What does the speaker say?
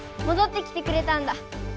もどってきてくれたんだ。